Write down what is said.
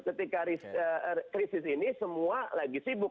ketika krisis ini semua lagi sibuk